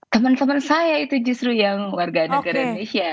teman teman saya itu justru yang warga negara indonesia